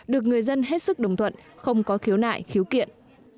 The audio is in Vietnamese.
được người dân hết sức đồng thuận không có khiếu nại khiếu kiện